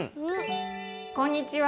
こんにちは。